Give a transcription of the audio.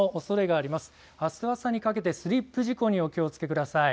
あす朝にかけてスリップ事故にお気をつけください。